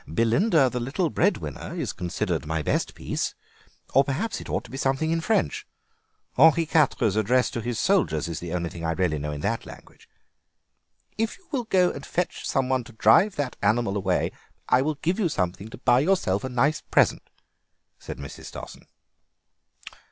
"'Belinda, the little Breadwinner,' is considered my best piece, or, perhaps, it ought to be something in French. Henri Quatre's address to his soldiers is the only thing I really know in that language." "If you will go and fetch some one to drive that animal away I will give you something to buy yourself a nice present," said Mrs. Stossen.